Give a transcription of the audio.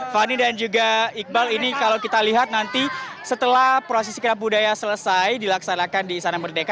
fani dan juga iqbal ini kalau kita lihat nanti setelah prosesi kirap budaya selesai dilaksanakan di istana merdeka